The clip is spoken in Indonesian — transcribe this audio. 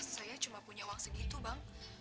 saya cuma punya uang segitu bang